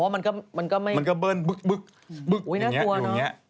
อ๋อมันก็ไม่แบบมันก็เบิร์มบึ๊บโอ๊ยน่ากลัวเนอะ